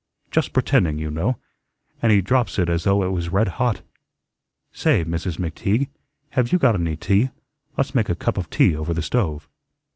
Just pretending, you know, and he drops it as though it was red hot. Say, Mrs. McTeague, have you got any tea? Let's make a cup of tea over the stove."